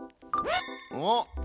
あっ！